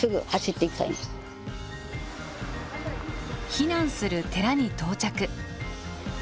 避難する寺に到着。